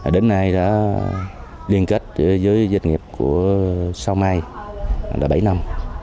đến nay đã liên kết với doanh nghiệp của sao mai đã bảy năm